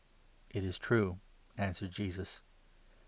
" It is true," answered Jesus.